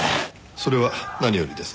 それは何よりです。